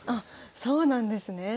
そうなんですね。